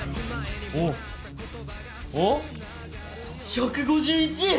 １５１！